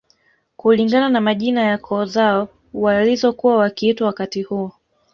Kulingana na majina ya koo zao walizokuwa wakiitwa wakati huo